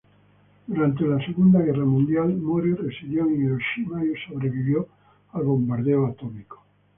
Durante la Segunda Guerra Mundial, Mori residió en Hiroshima y sobrevivió al bombardeo atómico.